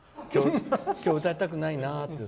今日歌いたくないなって。